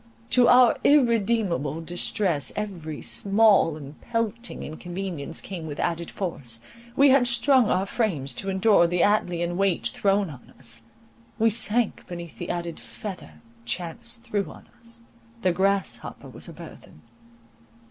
To our irremediable distress every small and pelting inconvenience came with added force; we had strung our frames to endure the Atlean weight thrown on us; we sank beneath the added feather chance threw on us, "the grasshopper was a burthen."